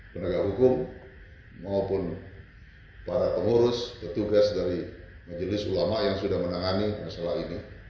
penegak hukum maupun para pengurus petugas dari majelis ulama yang sudah menangani masalah ini